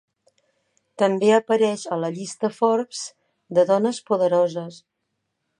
També apareix a la Llista Forbes de dones poderoses.